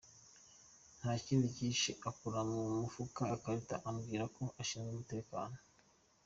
Nta kindi yahise akura mu mufuka ikarita ambwira ko ashinzwe umutekano.